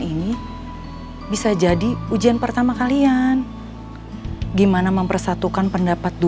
ini bisa jadi ujian pertama kalian gimana mempersatukan pendapat